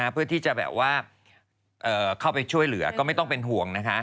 เพื่อที่จะแบบว่าเข้าไปช่วยเหลือก็ไม่ต้องเป็นห่วง